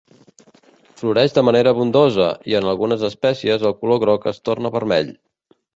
Floreix de manera abundosa i en algunes espècies el color groc es torna vermell.